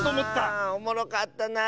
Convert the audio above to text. ああおもろかったなあ。